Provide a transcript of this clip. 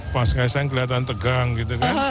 mas kaisang kelihatan tegang gitu kan